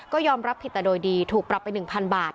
ก็ยอมรับผิดแต่โดยดีถูกปรับไป๑๐๐บาท